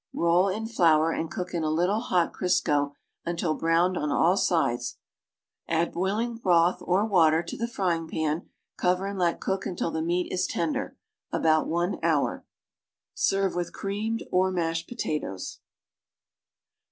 Roll in flour and cook in a little hot Crisco until browned on all sides; add boiling broth or water to the fryinj; pan, cover and let cook until the meat is tender (about one hour). Serve with creamed or mashed potatoes.